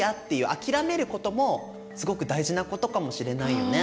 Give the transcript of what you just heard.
諦めることもすごく大事なことかもしれないよね。